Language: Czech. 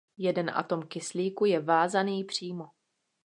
Jeden atom kyslíku je vázaný přímo.